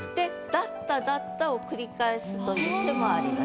「だった」を繰り返すという手もあります。